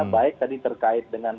baik tadi terkait dengan